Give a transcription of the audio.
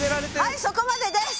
はいそこまでです！